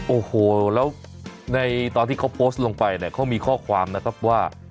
โอ้โหแล้วในตอนที่เขาโพสต์ลงไปเนี่ยเขามีข้อความนะครับว่า